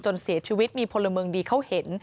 เสียชีวิตมีพลเมืองดีเขาเห็น